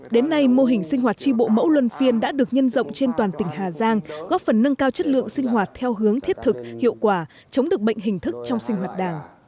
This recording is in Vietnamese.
đến nay mô hình sinh hoạt tri bộ mẫu luân phiên đã được nhân rộng trên toàn tỉnh hà giang góp phần nâng cao chất lượng sinh hoạt theo hướng thiết thực hiệu quả chống được bệnh hình thức trong sinh hoạt đảng